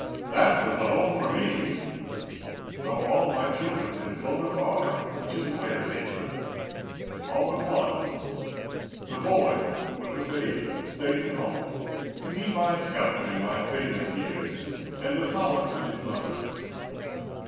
That was the home for me, Though all my children had flown afar— Which is the way of Nature—all but one. The boy, who was the baby, stayed at home, To be my help in my failing years And the solace of his mother.